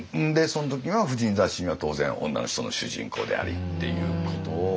その時は婦人雑誌には当然女の人の主人公でありっていうことを。